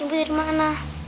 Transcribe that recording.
bu ibu di rumah mana